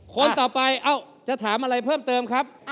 คนต่อไปเอ้าจะถามอะไรเพิ่มเติมครับ